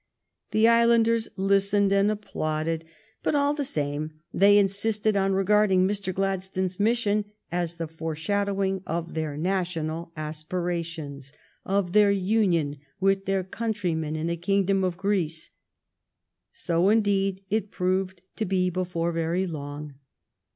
The islanders listened and applauded, but all the same they insisted on regarding Mr. Gladstone's mission as the foreshad owing of their national aspirations, of their union with their countrymen in the Kingdom of Greece. So indeed it proved to be before very long.